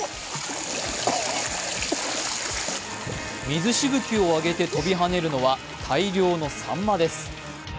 水しぶきを上げて飛び跳ねるのは大量のさんまです。